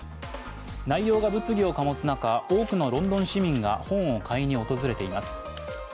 内容が物議を醸す中、多くのロンドン市民が本を買い求めています。